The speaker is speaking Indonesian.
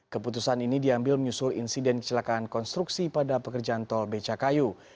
keputusan ini diambil menyusul insiden kecelakaan konstruksi pada pekerjaan tol becakayu